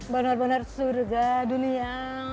benar benar surga dunia